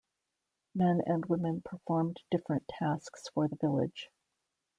Men and women performed different tasks for the village.